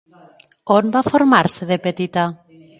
On va formar-se de petita?